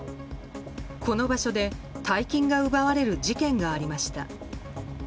この場所で大金が奪われる事件がありました。